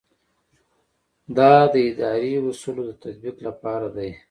دا د اداري اصولو د تطبیق لپاره دی.